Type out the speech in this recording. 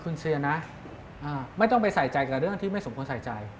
คุณเชียร์นะไม่ต้องไปใส่ใจกับเรื่องที่ไม่สมควรใส่ใจ